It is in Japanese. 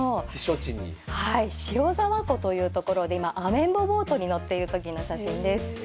塩沢湖という所で今アメンボボートに乗っている時の写真です。